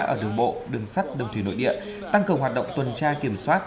ở đường bộ đường sắt đường thủy nội địa tăng cường hoạt động tuần tra kiểm soát